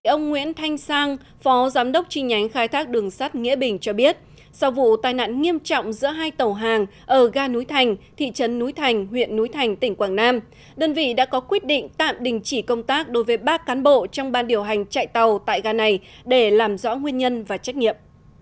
ông nguyễn thanh sang phó giám đốc chi nhánh khai thác đường sắt nghĩa bình cho biết sau vụ tai nạn nghiêm trọng giữa hai tàu hàng ở ga núi thành thị trấn núi thành huyện núi thành tỉnh quảng nam đơn vị đã có quyết định tạm đình chỉ công tác đối với ba cán bộ trong ban điều hành chạy tàu tại ga này để làm rõ nguyên nhân và trách nhiệm